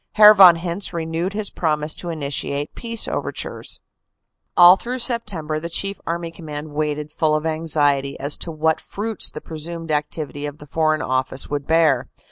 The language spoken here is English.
Herr von Hintze renewed his promise to initiate peace overtures. "All through September, the Chief Army Command waited full of anxiety as to what fruits the presumed activity of the Foreign Office would bear.